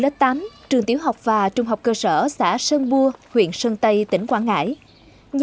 ở lớp tám trường tiểu học và trung học cơ sở xã sơn bua huyện sơn tây tỉnh quảng ngãi